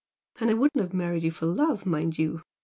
And I wouldn't have married you for love, mind you!